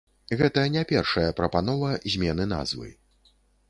Гэта не першая прапанова змены назвы.